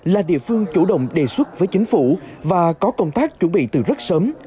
là địa phương chủ động đề xuất với chính phủ và có công tác chuẩn bị từ rất sớm